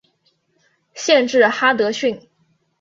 县治哈得逊。